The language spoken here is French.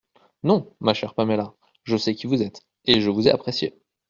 Non, ma chère Paméla… je sais qui vous êtes, et je vous ai appréciée…